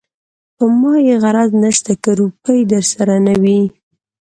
په ما يې غرض نشته که روپۍ درسره نه وي.